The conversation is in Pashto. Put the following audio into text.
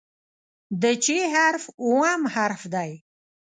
د "چ" حرف اووم حرف دی.